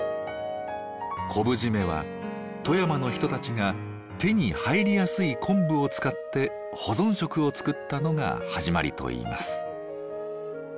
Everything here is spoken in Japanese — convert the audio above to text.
昆布締めは富山の人たちが手に入りやすい昆布を使って保存食を作ったのが始まりといいます。